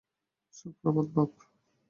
Suprabhat, Bob.